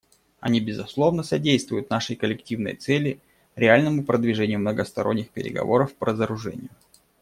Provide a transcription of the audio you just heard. Они, безусловно, содействуют нашей коллективной цели — реальному продвижению многосторонних переговоров по разоружению.